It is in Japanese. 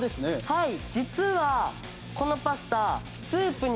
はい。